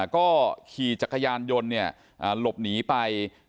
ก็ขี่จักรยานยนต์หลบหนีไป